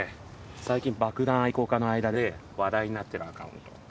最近爆弾愛好家の間で話題になってるアカウント。